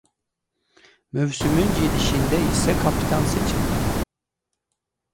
Mövsümün gedişində isə kapitan seçildi.